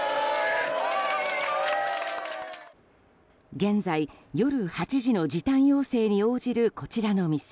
現在、夜８時の時短要請に応じるこちらの店。